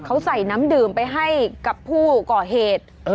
เขาใส่น้ำดื่มไปให้กับผู้ก่อเหตุ